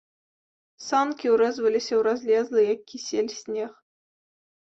Санкі ўрэзваліся ў разлезлы, як кісель, снег.